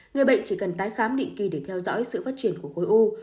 người bệnh chỉ cần tái khám định kỳ để theo dõi sự phát triển của khối u